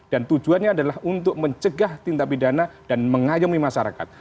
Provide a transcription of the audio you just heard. dan tujuannya adalah untuk mencegah tindak pidana dan mengayomi masyarakat